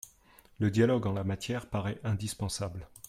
Le dialogue, en la matière, paraît indispensable.